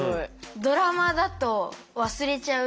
ドラマだと忘れちゃう